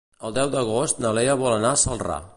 El deu d'agost na Lea vol anar a Celrà.